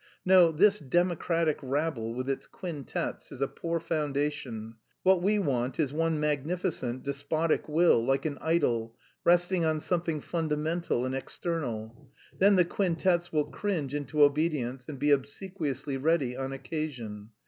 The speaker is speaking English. No, this democratic rabble, with its quintets, is a poor foundation; what we want is one magnificent, despotic will, like an idol, resting on something fundamental and external.... Then the quintets will cringe into obedience and be obsequiously ready on occasion.